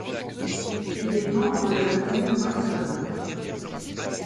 Il est membre de la famille Molson.